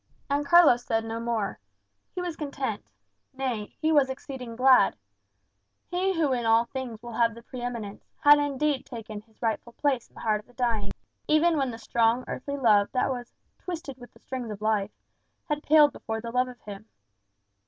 And Carlos said no more. He was content; nay, he was exceeding glad. He who in all things will have the pre eminence, had indeed taken his rightful place in the heart of the dying, when even the strong earthly love that was "twisted with the strings of life" had paled before the love of him.